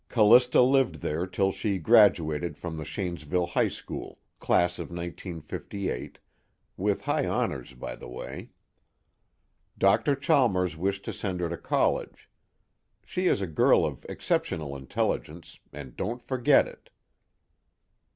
Callista lived there till she graduated from the Shanesville High School, Class of 1958 with high honors by the way. Dr. Chalmers wished to send her to college. She is a girl of exceptional intelligence, and don't forget it."